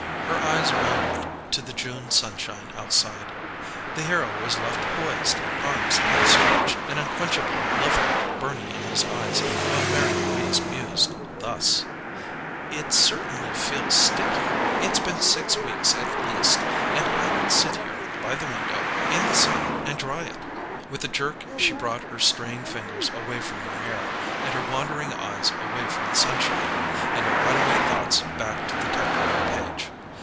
Her eyes wandered to the June sunshine outside. The hero was left poised, arms outstretched, and unquenchable love light burning in his eyes, while Mary Louise mused, thus: "It certainly feels sticky. It's been six weeks, at least. And I could sit here by the window in the sun and dry it " With a jerk she brought her straying fingers away from her hair, and her wandering eyes away from the sunshine, and her runaway thoughts back to the typewritten page.